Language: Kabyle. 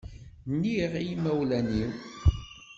NniƔ i imawlan-iw.